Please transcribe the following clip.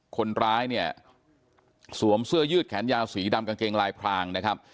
คนร้ายเนี่ยสวมเสื้อยืดแขนยาวสีดำกางเกงลายพรางนะครับ